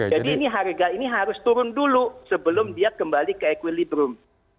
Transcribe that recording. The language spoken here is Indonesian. jadi ini harga ini harus turun dulu sebelum dia kembali ke equilibrium